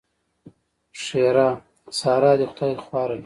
ښېرا؛ سار دې خدای خواره کړي!